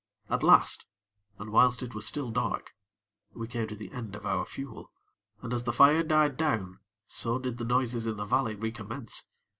At last, and whilst it was still dark, we came to the end of our fuel, and as the fire died down, so did the noises in the valley recommence.